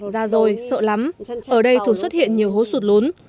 già rồi sợ lắm ở đây thường xuất hiện nhiều hố sụt lún